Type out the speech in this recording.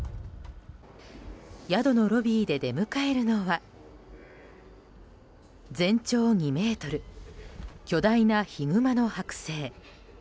宿のロビーで出迎えるのは全長２ｍ、巨大なヒグマの剥製。